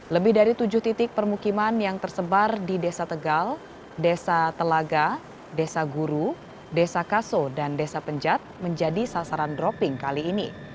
lebih dari tujuh titik permukiman yang tersebar di desa tegal desa telaga desa guru desa kaso dan desa penjat menjadi sasaran dropping kali ini